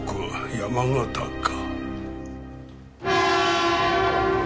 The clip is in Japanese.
山形か。